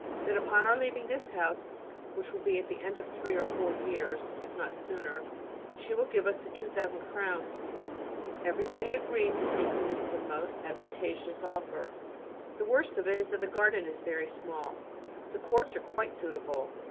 Then upon our leaving this house, which will be at the end of three or four years, if not sooner, she will give us the 2,000 crowns. Everybody agrees in thinking this a most advantageous offer. The worst of it is that the garden is very small: the courts are quite suitable.